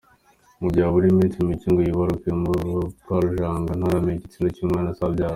Mu gihe abura iminsi mike ngo yibaruke, Mukarujanga ntaramenya igitsina cy’umwana azabyara.